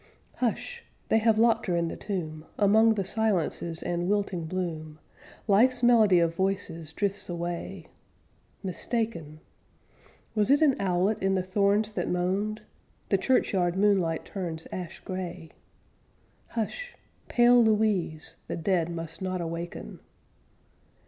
Hush! They have locked her in the tomb, Among the silences and wilting bloom; Life's melody of voices drifts away Mistaken! Was it an owlet in the thorns that moaned? The churchyard moonlight turns ash gray Hush! Pale Louise! The dead must not awaken.